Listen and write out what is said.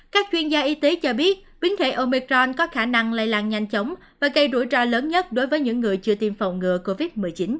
các chuyên gia y tế cho biết biến thể omecron có khả năng lây lan nhanh chóng và gây rủi ro lớn nhất đối với những người chưa tiêm phòng ngừa covid một mươi chín